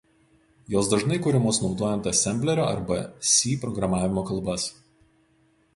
Jos dažnai kuriamos naudojant asemblerio arba C programavimo kalbas.